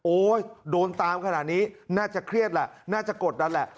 โดนตามขนาดนี้น่าจะเครียดแหละน่าจะกดดันแหละ